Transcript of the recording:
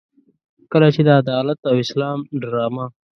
کله چې د عدالت او اسلام ډرامه.